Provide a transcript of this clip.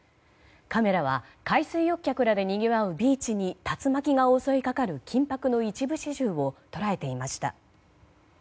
カメラは海水浴客らでにぎわうビーチに竜巻が襲いかかる緊迫の一部始終を捉えていました。